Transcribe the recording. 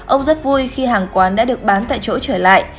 ông rất vui khi hàng quán đã được bán tại chỗ trở lại